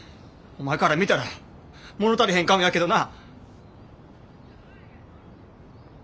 お前から見たら物足りへんかもやけどな。